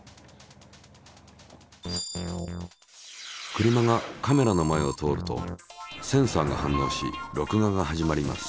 車がカメラの前を通るとセンサーが反応し録画が始まります。